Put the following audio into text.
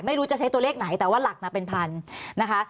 ไม่รู้จะใช้ตัวเลขไหนแต่ว่าหลักนะเป็นพันนะคะ